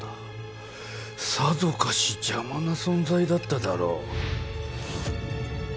さぞかし邪魔な存在だっただろう。